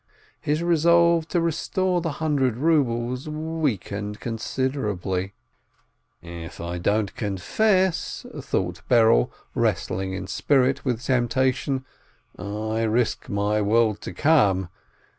His resolve to restore the hundred rubles weakened con siderably. "If I don't confess," thought Berel, wrestling in spirit with temptation, "I risk my world to come